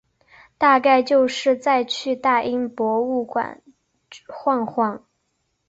大概就是再去大英博物馆晃晃